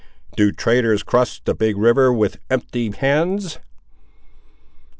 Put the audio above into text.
"Do traders cross the big river with empty hands?"